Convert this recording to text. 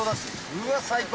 うわ、最高。